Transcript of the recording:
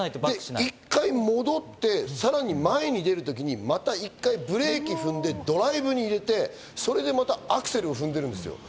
１回戻って、さらに前に出るときに、また１回ブレーキを踏んでドライブに入れて、それでまたアクセルを踏んでるんですよ。